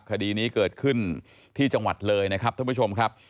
คดีนี้เกิดขึ้นที่จังหวัดเลยนะครับท่านผู้ชมครับ